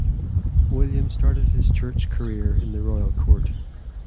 William started his Church career in the royal court.